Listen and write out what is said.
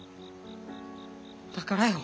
だからよ。